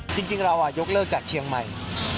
จริงเรายกเลิกจากเชียงใหม่